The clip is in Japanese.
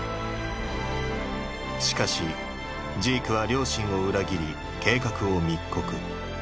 しかしジークは両親を裏切り計画を密告。